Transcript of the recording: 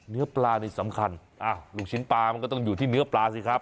เนื้อปลานี่สำคัญลูกชิ้นปลามันก็ต้องอยู่ที่เนื้อปลาสิครับ